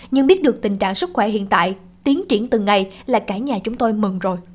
nhưng biết được tình trạng sức khỏe hiện tại tiến triển từng ngày là cả nhà chúng tôi mừng rồi